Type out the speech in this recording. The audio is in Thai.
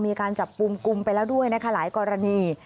มีการจับกลุ่มกลุ่มไปแล้วด้วยนะคะหลายกรณี